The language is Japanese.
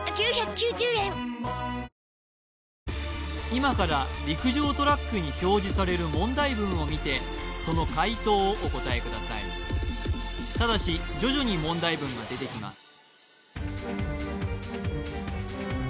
今から陸上トラックに表示される問題文を見てその解答をお答えくださいただし徐々に問題文が出てきます